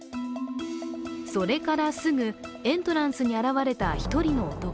それからすぐ、エントランスに現れた１人の男。